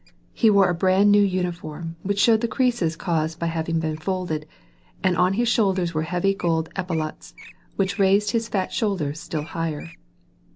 He wore a brand now uniform, which showed the creases caused by having been folded, and on his shoulders were heavy gold epaulets, which raised his fat shoulders still higher.